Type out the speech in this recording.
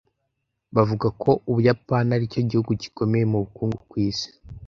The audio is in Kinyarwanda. Bavuga ko Ubuyapani aricyo gihugu gikomeye mu bukungu ku isi.